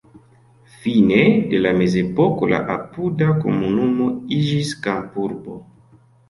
Fine de la mezepoko la apuda komunumo iĝis kampurbo.